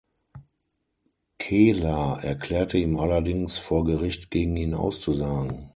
Keeler erklärte ihm allerdings, vor Gericht gegen ihn auszusagen.